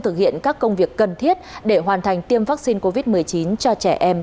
thực hiện các công việc cần thiết để hoàn thành tiêm vaccine covid một mươi chín cho trẻ em